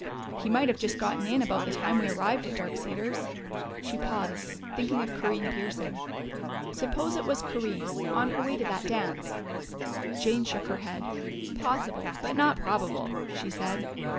"He might have just gotten in about the time we arrived at Dark Cedars." She paused, thinking of Corinne Pearson. "Suppose it was Corinne on her way to that dance " Jane shook her head. "Possible, but not probable," she said.